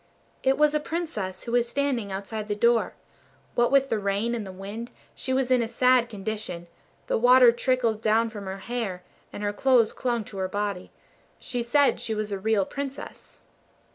It was a Princess who was standing outside the door. What with the rain and the wind, she was in a sad condition; the water trickled down from her hair, and her clothes clung to her body. She said she was a real Princess.